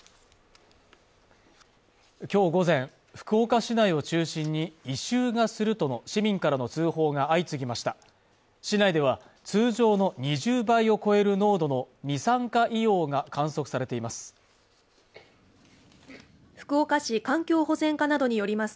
きょう午前福岡市内を中心に異臭がするとの市民からの通報が相次ぎました市内では通常の２０倍を超える濃度の二酸化硫黄が観測されています